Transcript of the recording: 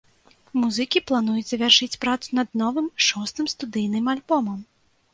Музыкі плануюць завяршыць працу над новым, шостым студыйным альбомам.